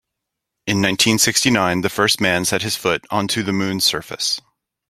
In nineteen-sixty-nine the first man set his foot onto the moon's surface.